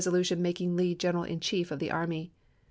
lution making Lee general in chief of the army.